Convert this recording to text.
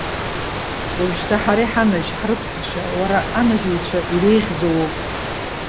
Уажәшьҭа ҳара иҳанажь, ҳрыцҳашьа! Уара анажьыҩцәа иреиӷьӡоу уоуп.